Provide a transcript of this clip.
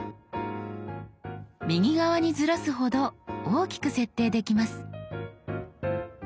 右側にずらすほど大きく設定できます。